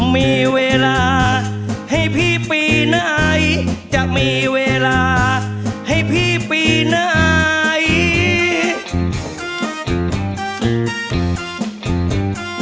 มีเวลาให้พี่ปีน้าย